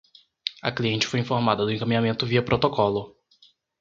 A cliente foi informada do encaminhamento via protocolo